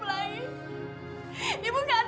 pelangi ibu minta maaf